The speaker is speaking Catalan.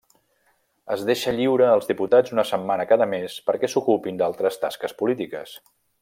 Es deixa lliure als diputats una setmana cada mes perquè s'ocupen d'altres tasques polítiques.